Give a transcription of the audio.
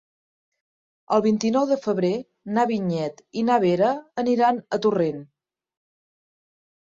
El vint-i-nou de febrer na Vinyet i na Vera aniran a Torrent.